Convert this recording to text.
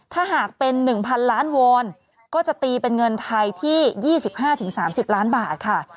ถ้าหากเป็น๑๐๐๐ล้านวอนก็จะตีเป็นเงินไทยที่๒๕๓๐ล้านบาทค่ะ